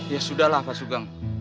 ya sudah lah pak sugeng